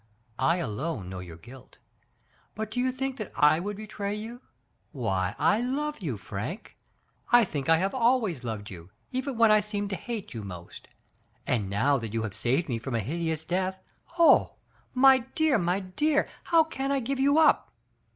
I alone know your guilt, but do you think that I would betray you? Why, I love you, Frank; I Digitized by Google 312 THE FATE OF FENELLA. think I have always loved you, even when I seemed to hate you most. And now that you have saved me from a hideous death, oh! my dear, my dear, how can I give you up?